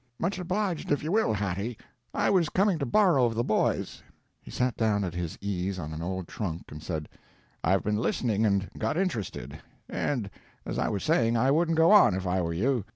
"Much obliged if you will, Hattie. I was coming to borrow of the boys." He sat down at his ease on an old trunk, and said, "I've been listening and got interested; and as I was saying, I wouldn't go on, if I were you.